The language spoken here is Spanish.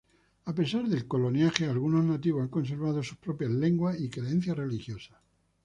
A pesar del coloniaje, algunos nativos han conservado sus propias lenguas y creencias religiosas.